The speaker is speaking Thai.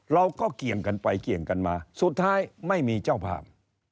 เกี่ยงกันไปเกี่ยงกันมาสุดท้ายไม่มีเจ้าภาพ